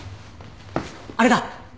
あれだ！